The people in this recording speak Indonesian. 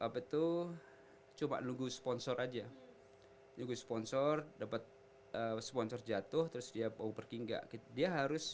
betul cuma nunggu sponsor aja nunggu sponsor dapat sponsor jatuh terus dia mau pergi enggak dia harus